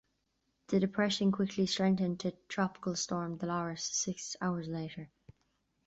The depression quickly strengthened to Tropical Storm Dolores six hours later.